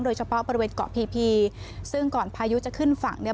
โดยเฉพาะบริเวณเกาะพีพีซึ่งก่อนพายุจะขึ้นฝั่งเนี่ย